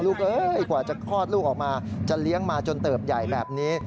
กว่าจะคลอดลูกออกมาจะเลี้ยงมาจนเติบใหญ่แบบนี้